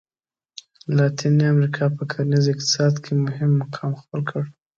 لاتیني امریکا په کرنیز اقتصاد کې مهم مقام خپل کړ.